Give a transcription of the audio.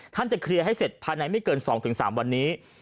จะเคลียร์ให้เสร็จภายในไม่เกิน๒๓วันนี้